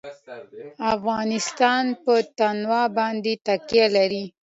افغانستان په تنوع باندې تکیه لري.